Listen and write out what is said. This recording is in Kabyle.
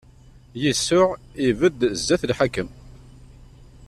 Yasuɛ ibedd zdat n lḥakem.